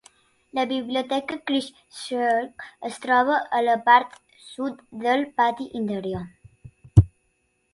La biblioteca Christ Church es troba a la part sud del pati interior.